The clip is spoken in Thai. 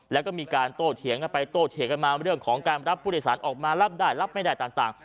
แล้วก็มีการโต้เถียงกันไปโต้เถียงกันมาเรื่องของการรับผู้โดยสารออกมารับได้รับไม่ได้ต่าง